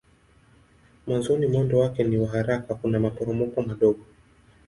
Mwanzoni mwendo wake ni wa haraka kuna maporomoko madogo.